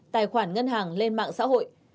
tài khoản ngân hàng lên mạng xã hội